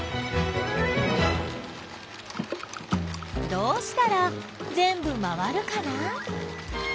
どうしたらぜんぶ回るかな？